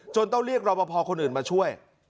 ต้องเรียกรอปภคนอื่นมาช่วย